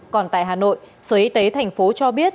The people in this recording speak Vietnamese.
còn tại hà nội sở y tế thành phố cho biết